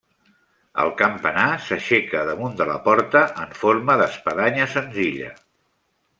El campanar s'aixeca damunt de la porta en forma d'espadanya senzilla.